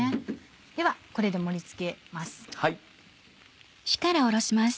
ではこれで盛り付けます。